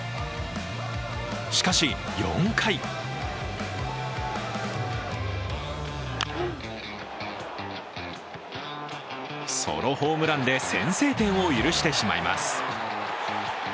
しかし、４回ソロホームランで先制点を許してしまいます。